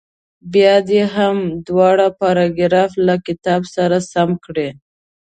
بیا دې هغه دواړه پاراګراف له کتاب سره سم کړي.